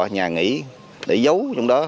nhà nghỉ để giấu